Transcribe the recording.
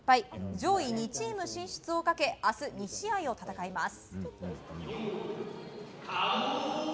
上位２チーム進出をかけ明日、２試合を戦います。